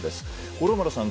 五郎丸さん